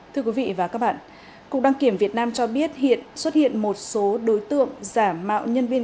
thưa quý vị và các bạn cục đăng kiểm việt nam cho biết hiện xuất hiện một số đối tượng giả mạo nhân viên